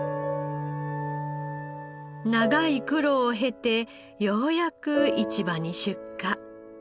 長い苦労を経てようやく市場に出荷。